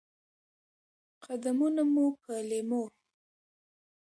قدمونه مو په لېمو،